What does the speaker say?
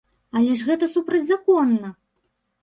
Але ж гэта супрацьзаконна!